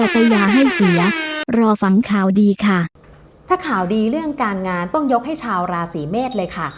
ถ้าข่าวดีเรื่องการงานต้องยกให้ชาวราศีเมษเลยค่ะ